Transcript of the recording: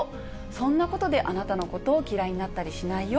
そんなことであなたのことを嫌いになったりしないよ。